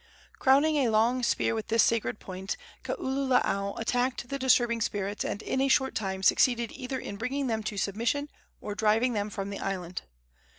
Crowning a long spear with this sacred point, Kaululaau attacked the disturbing spirits, and in a short time succeeded either in bringing them to submission or driving them from the island.